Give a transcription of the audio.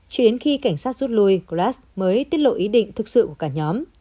chỉ đến khi cảnh sát rút lui glass mới tiết lộ ý định thực sự của cả nhóm